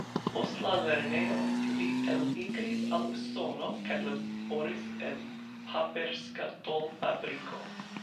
Post la lernejo li elmigris al Usono kaj laboris en paperskatol-fabriko.